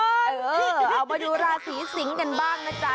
เออเออเอามาดูราศีสิงห์กันบ้างนะจ๊ะ